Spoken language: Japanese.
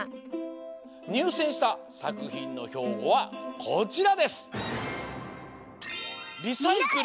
にゅうせんしたさくひんのひょうごはこちらです！